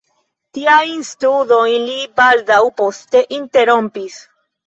Tiajn studojn li baldaŭ poste interrompis.